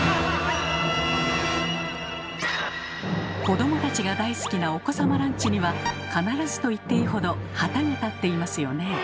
子どもたちが大好きなお子様ランチには必ずと言っていいほど旗が立っていますよね。